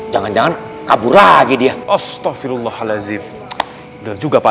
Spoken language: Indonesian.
jangan jangan kabur lagi dia astagfirullahaladzim juga pak